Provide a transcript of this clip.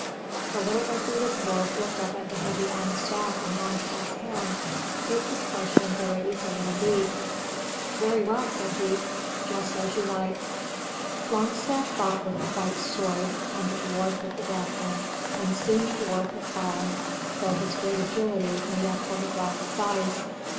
The little red booted dwarf looked up at the heavy iron staff in Longstaff's hand. It could crush him very easily indeed. "Very well!" said he. "Just as you like!" Longstaff fought with the white sword and the dwarf with the black one, and soon the dwarf had fallen, though his great agility made up for his lack of size.